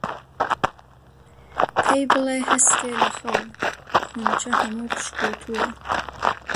پێی بڵێ هەستێ لە خەو، خونچە هەموو پشکووتووە